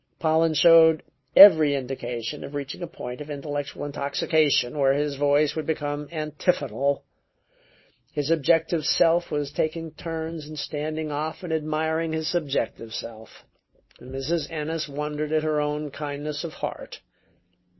Pollen showed every indication of reaching a point of intellectual intoxication where his voice would become antiphonal. His objective self was taking turns in standing off and admiring his subjective self. Mrs. Ennis wondered at her own kindness of heart.